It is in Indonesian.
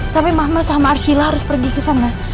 tapi mama sama arsila harus pergi kesana